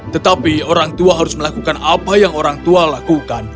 tetapi orang tua harus melakukan apa yang orang tua lakukan